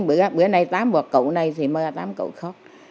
bữa nay tám bò cụ này thì mơ tám cụ khóc